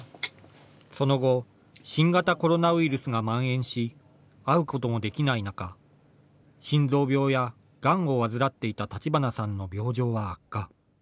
その後新型コロナウイルスがまん延し会うこともできない中心臓病やがんを患っていた立花さんの病状は悪化。